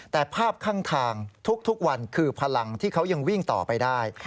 แต่ภาพข้างทางทุกวันคือพลังที่เขายังวิ่งต่อไปได้